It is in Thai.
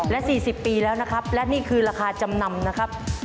และ๔๐ปีแล้วนะครับและนี่คือราคาจำนำนะครับ